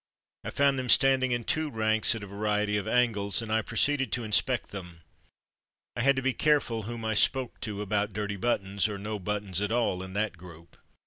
I found them standing in two ranks at a variety of angles and I proceeded to inspect them. I had to be careful whom I spoke to about dirty buttons, or no buttons at all, in that group.